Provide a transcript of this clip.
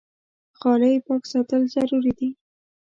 غالۍ پاک ساتل ضروري دي.